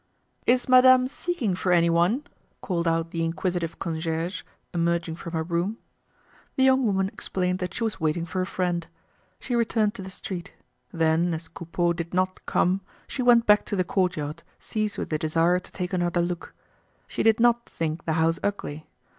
"Is madame seeking for any one?" called out the inquisitive concierge, emerging from her room. The young woman explained that she was waiting for a friend. She returned to the street; then as Coupeau did not come, she went back to the courtyard seized with the desire to take another look. She did not think the house ugly.